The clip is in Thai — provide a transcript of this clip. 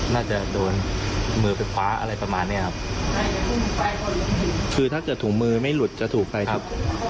น่าจะโดนมือไปคว้าอะไรประมาณเนี้ยครับคือถ้าเกิดถุงมือไม่หลุดจะถูกไฟทุบ